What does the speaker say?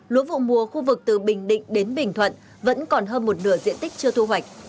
lúa vụ mùa khu vực từ bình định đến bình thuận vẫn còn hơn một nửa diện tích chưa thu hoạch